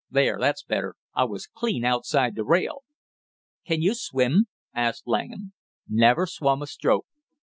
There that's better, I was clean outside the rail." "Can you swim?" asked Langham. "Never swum a stroke.